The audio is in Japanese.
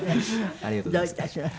ありがとうございます。